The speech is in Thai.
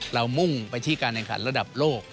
มุ่งไปที่การแข่งขันระดับโลก